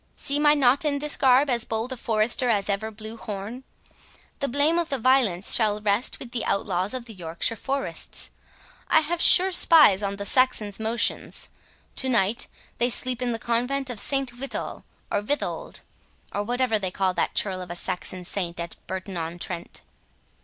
Seem I not in this garb as bold a forester as ever blew horn? The blame of the violence shall rest with the outlaws of the Yorkshire forests. I have sure spies on the Saxon's motions—To night they sleep in the convent of Saint Wittol, or Withold, or whatever they call that churl of a Saxon Saint at Burton on Trent.